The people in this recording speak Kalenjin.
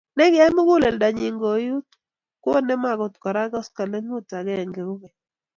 Nekiyai muguleldonyi kouit konem agot Kora koskolingut agenge keny